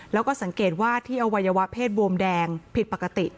แล้วก็สังเกตว่าที่อวัยวะเพศบวมแดงผิดปกติ